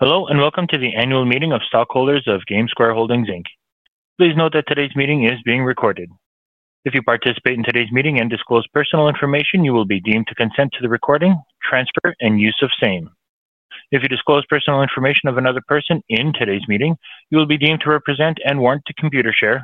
Hello, and welcome to the annual meeting of stockholders of GameSquare Holdings, Inc. Please note that today's meeting is being recorded. If you participate in today's meeting and disclose personal information, you will be deemed to consent to the recording, transfer, and use of same. If you disclose personal information of another person in today's meeting, you will be deemed to represent and warrant to Computershare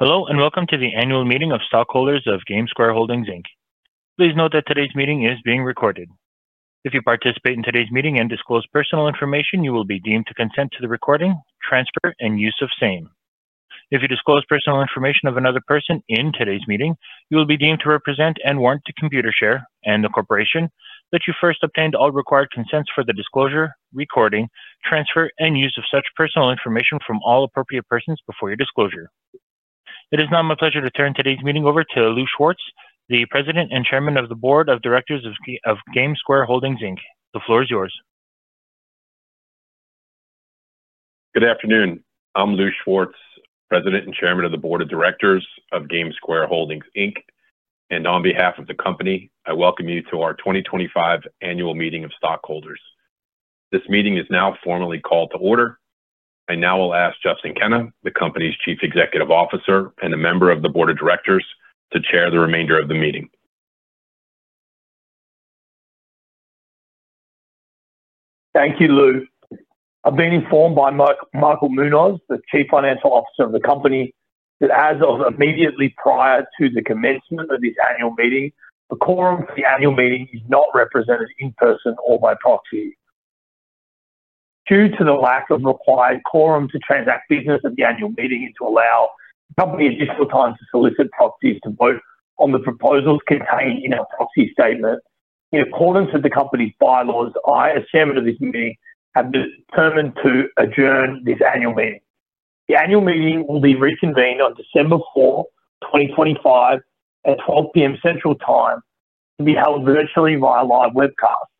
and the corporation that you first obtained all required consents for the disclosure, recording, transfer, and use of such personal information from all appropriate persons before your disclosure. It is now my pleasure to turn today's meeting over to Lou Schwartz, the President and Chairman of the Board of Directors of GameSquare Holdings, Inc. The floor is yours. Good afternoon. I'm Lou Schwartz, President and Chairman of the Board of Directors of GameSquare Holdings, Inc., and on behalf of the company, I welcome you to our 2025 annual meeting of stockholders. This meeting is now formally called to order. I now will ask Justin Kenna, the company's Chief Executive Officer and a member of the Board of Directors, to chair the remainder of the meeting. Thank you, Lou. I've been informed by Michael Munoz, the Chief Financial Officer of the company, that as of immediately prior to the commencement of this annual meeting, the quorum for the annual meeting is not represented in person or by proxy. Due to the lack of required quorum to transact business at the annual meeting and to allow the company additional time to solicit proxies to vote on the proposals contained in our proxy statement, in accordance with the company's bylaws, I, as Chairman of this meeting, have determined to adjourn this annual meeting. The annual meeting will be reconvened on December 4, 2025, at 12:00 P.M. Central Time and will be held virtually via live webcast.